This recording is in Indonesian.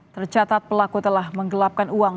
tercatat pelaku telah menggelapkan uang